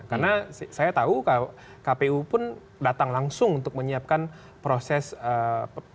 karena saya tahu kpu pun datang langsung untuk menyiapkan proses pemilihan